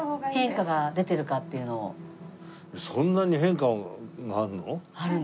そんなに変化があるの？